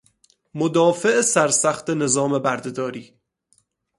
مدافع سرسخت نظام بردهداری